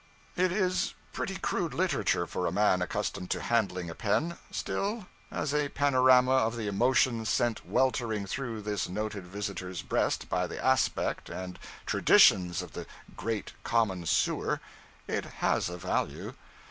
It is pretty crude literature for a man accustomed to handling a pen; still, as a panorama of the emotions sent weltering through this noted visitor's breast by the aspect and traditions of the 'great common sewer,' it has a value.